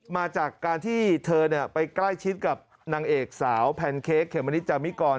มาจากการที่เธอไปใกล้ชิดกับนางเอกสาวแพนเค้กเขมมะนิดจามิกร